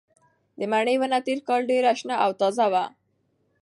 د مڼې ونه تېر کال ډېره شنه او تازه وه.